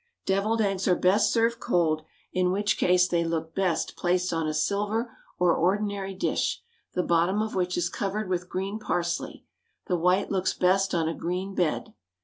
Devilled eggs are best served cold, in which case they look best placed on a silver or ordinary dish, the bottom of which is covered with green parsley; the white looks best on a green bed.